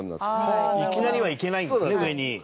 山崎：いきなりはいけないんですね、上に。